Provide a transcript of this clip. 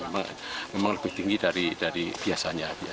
memang lebih tinggi dari biasanya